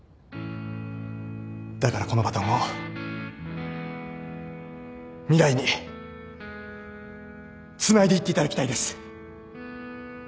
だからこのバトンを未来につないでいっていただきたいです。